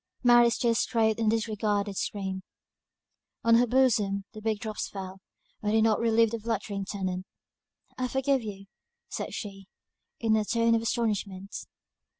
Mary's tears strayed in a disregarded stream; on her bosom the big drops fell, but did not relieve the fluttering tenant. "I forgive you!" said she, in a tone of astonishment.